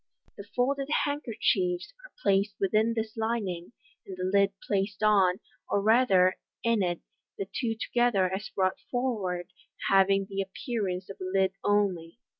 The folded handkerchiefs are placed within this lining, and the lid placed on, or rather in it — the two together as brought forward having the appearance of a lid only.